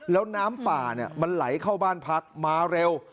แล้วน้ำป่ามันไหลเข้าบ้านพักมาเร็ว